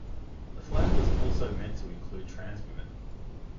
The flag was also meant to include trans women.